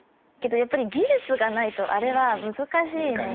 やっぱり技術がないとあれは難しいので。